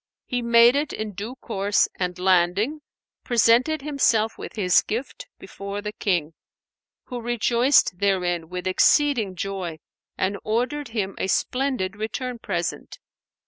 He made it in due course and landing, presented himself with his gift before the King; who rejoiced therein with exceeding joy and ordered him a splendid return present.